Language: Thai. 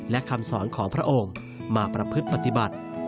และคำสอนของพระองค์มาประพฤติปฏิบัติ